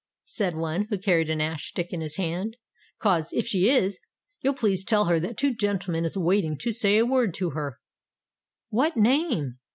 said one, who carried an ash stick in his hand: "'cos if she is, you'll please to tell her that two genelmen is a waiting to say a word to her." "What name?"